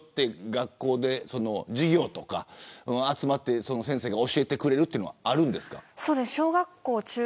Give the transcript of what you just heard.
学校で授業とか集まって先生が教えてくれるというのはあるんですか。